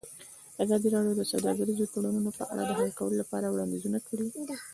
ازادي راډیو د سوداګریز تړونونه په اړه د حل کولو لپاره وړاندیزونه کړي.